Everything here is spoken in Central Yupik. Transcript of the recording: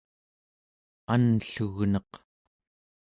anllugneq